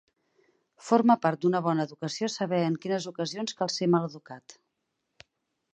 Forma part d'una bona educació saber en quines ocasions cal ser maleducat.